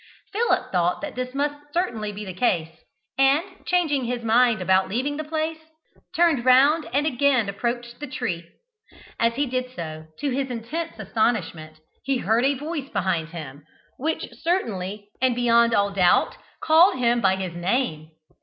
Philip thought that this must certainly be the case, and, changing his mind about leaving the place, turned round and again approached the tree. As he did so, to his intense astonishment he heard a voice behind him, which certainly, and beyond all doubt, called him by his name.